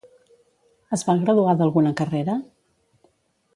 Es va graduar d'alguna carrera?